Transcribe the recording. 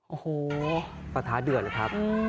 โอ้โหปัญหาเดือดละครับ